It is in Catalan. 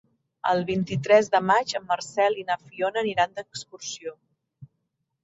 El vint-i-tres de maig en Marcel i na Fiona aniran d'excursió.